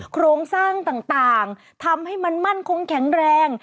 โครงสร้างต่างทำให้มันมั่นคงแข็งแรง